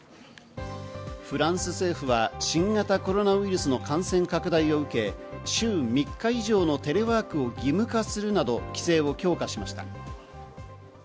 フランス政府は新型コロナウイルスの感染拡大を受け、週３日以上のテレワークを義務化するなど規制を強化しました。